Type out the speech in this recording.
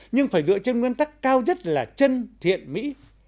nhưng phải dựa trên nguyên tắc cao nhất là chân thiện mỹ